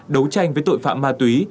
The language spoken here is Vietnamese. đấu tranh với tội phạm ma túy